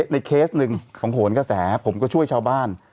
เคสหนึ่งของโหนกระแสผมก็ช่วยชาวบ้าน